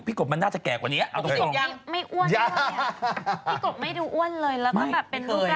พี่กบไม่ดูอ้วนเลยแล้วก็เป็นดูดร่างแบบนี้ตลอด